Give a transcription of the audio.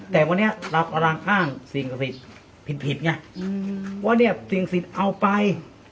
แต่วันเนี้ยเรากำลังอ้างสิ่งสิทธิ์ผิดผิดไงอืมว่าเนี้ยสิ่งสิทธิ์เอาไป